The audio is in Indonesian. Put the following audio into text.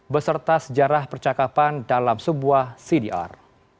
beserta sejarah percakapan dalam sebuah cdr